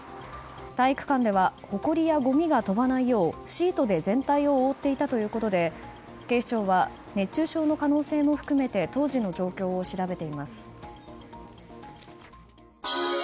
体育館ではほこりやごみが飛ばないようシートで全体を覆っていたということで警視庁は熱中症の可能性も含めて当時の状況を調べています。